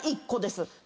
１個です。